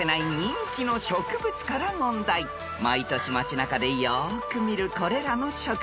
［毎年街中でよく見るこれらの植物］